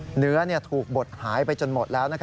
เหนือถูกบดหายไปจนหมดแล้ว